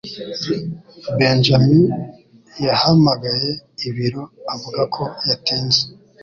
Benjamin yahamagaye ibiro avuga ko yatinze.